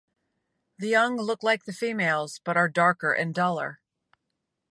The young look like the females, but are darker and duller.